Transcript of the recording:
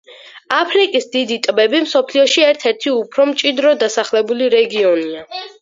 აფრიკის დიდი ტბები მსოფლიოში ერთ-ერთი უფრო მჭიდროდ დასახლებული რეგიონია.